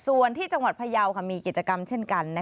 ส่วนที่จังหวัดพยาวมีกิจกรรมเช่นกัน